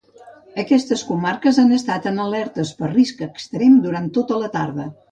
Aquestes comarques han estat en alertes per risc extrem durant tota la tarda.